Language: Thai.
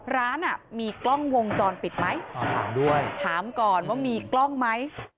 ร้านมีกล้องงงจรปิดไหมถามก่อนว่ามีกล้องไหม